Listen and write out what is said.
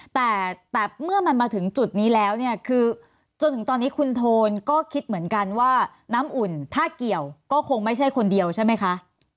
แต่เมื่อมันมาถึงจุดนี้แล้วเนี่ยคือจนถึงตอนนี้คุณโทนก็คิดเหมือนกันว่าน้ำอุ่นถ้าเกี่ยวก็คงไม่ใช่คนเดียวใช่ไหมคะ